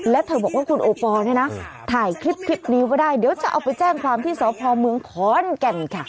และเธอบอกว่าคุณโอปอลเนี่ยนะถ่ายคลิปนี้ไว้ได้เดี๋ยวจะเอาไปแจ้งความที่สพเมืองขอนแก่นค่ะ